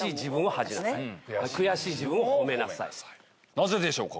なぜでしょうか？